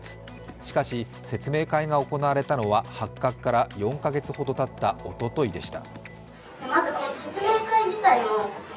しかし説明会が行われたのは発覚から４か月ほどたったおとといでした。